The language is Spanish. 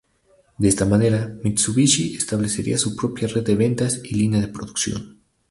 De esta manera, Mitsubishi establecería su propia red de ventas y linea de producción.